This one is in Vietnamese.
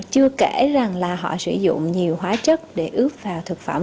chưa kể rằng là họ sử dụng nhiều hóa chất để ướp vào thực phẩm